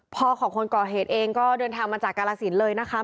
พ่อของคนก่อเหตุเองก็เดินทางมาจากกาลสินเลยนะคะ